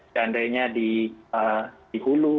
seandainya di hulu